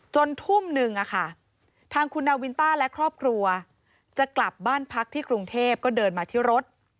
ทุ่มหนึ่งทางคุณนาวินต้าและครอบครัวจะกลับบ้านพักที่กรุงเทพก็เดินมาที่รถ